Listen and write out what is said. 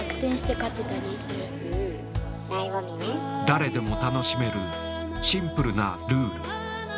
誰でも楽しめるシンプルなルール。